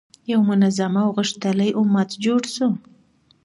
یو منظم او غښتلی امت جوړ شو.